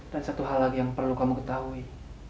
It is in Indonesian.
dan satu hal lagi yang perlu kamu ketahui